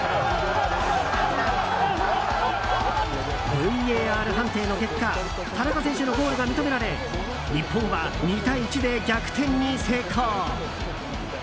ＶＡＲ判定の結果田中選手のゴールが認められ日本は２対１で逆転に成功。